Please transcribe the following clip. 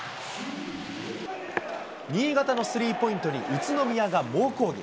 新潟のスリーポイントに宇都宮が猛抗議。